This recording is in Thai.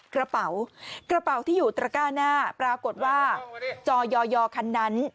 กระเป๋ากระเป๋าที่อยู่ตระก้าหน้าปรากฏว่าจอยอยอคันนั้น